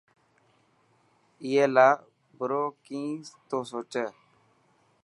اي لاءِ بريو ڪيسن تو سوچي.